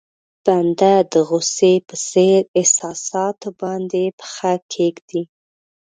بنده د غوسې په څېر احساساتو باندې پښه کېږدي.